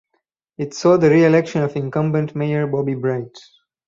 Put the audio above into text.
It saw the reelection of incumbent mayor Bobby Bright.